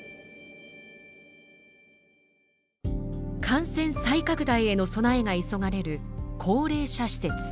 感染再拡大への備えが急がれる高齢者施設。